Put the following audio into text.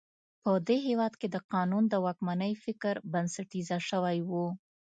په دې هېواد کې د قانون د واکمنۍ فکر بنسټیزه شوی و.